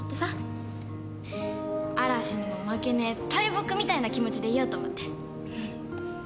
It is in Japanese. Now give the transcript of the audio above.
嵐にも負けねえ大木みたいな気持ちでいようと思って。